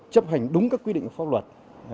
chấp hành đúng các quy định của pháp luật